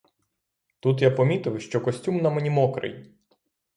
Тут я помітив, що костюм на мені мокрий.